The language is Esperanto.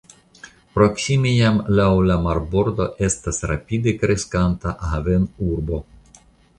Proksime jam laŭ la marbordo estas rapide kreskanta havenurbo.